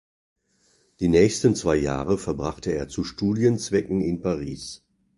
Die nächsten zwei Jahre verbrachte er zu Studienzwecken in Paris.